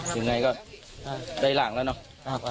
อยู่ไหนก็ใดหลังแล้วเนาะ